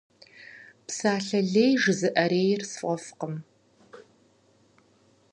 Псалъэ лей жызыӏэрейр сфӏэфӏкъым.